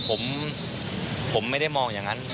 ผมไม่ได้มองอย่างนั้น